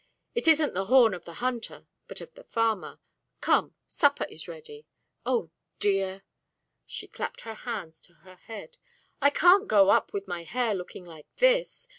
"It isn't the horn of the hunter, but of the farmer. Come, supper is ready. Oh, dear!" She clapped her hands to her head. "I can't go up with my hair looking like this.